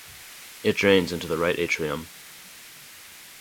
It drains into the right atrium.